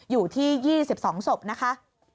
อยู่ที่๒๒ศพนะคะ